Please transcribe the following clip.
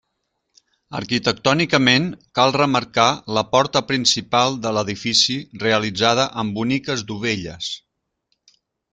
Arquitectònicament cal remarcar la porta principal de l'edifici realitzada amb boniques dovelles.